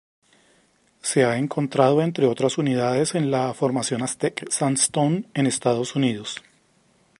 Se ha encontrado, entre otras unidades, en la formación Aztec Sandstone en Estados Unidos.